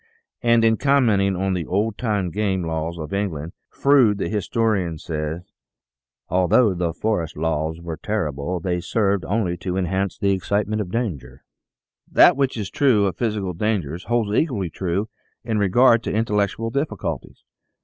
And in commenting on the old time game laws of England, Froude, the historian, says :" Although the old forest laws were terrible, they served only to enhance the excite ment by danger." That which is true of physical dangers holds equally true in regard to intellectual difficulties.